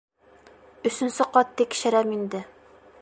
Өсөнсө ҡат тикшерәм инде.